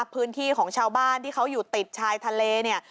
พื้นที่ของชาวบ้านที่เขาอยู่ติดชายทะเลเนี่ย